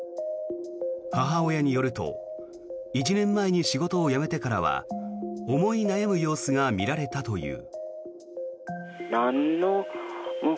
母親によると１年前に仕事を辞めてからは思い悩む様子が見られたという。